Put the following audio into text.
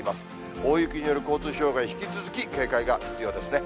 大雪による交通障害、引き続き警戒が必要ですね。